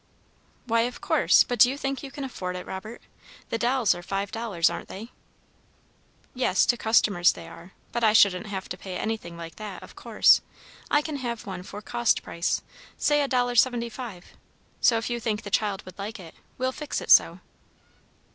"Why, of course; but do you think you can afford it, Robert? The dolls are five dollars, aren't they?" "Yes, to customers they are, but I shouldn't have to pay anything like that, of course. I can have one for cost price, say a dollar seventy five; so if you think the child would like it, we'll fix it so."